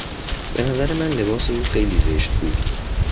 به نظر من لباس او خیلی زشت بود.